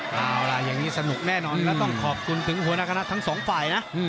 เอาล่ะอย่างนี้สนุกแน่นอนแล้วต้องขอบคุณถึงหัวหน้าคณะทั้งสองฝ่ายนะ